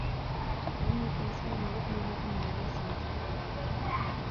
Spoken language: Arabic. لم يكن سامي يؤمن أنّ عيسي صُلِّبَ.